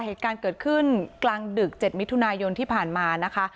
เหตุการณ์เกิดขึ้นกลางดึก๗มิถุนายนที่ผ่านมานะคะ